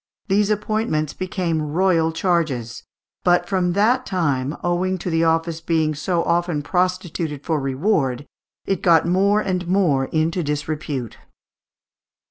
these appointments became royal charges; but from that time, owing to the office being so often prostituted for reward, it got more and more into disrepute.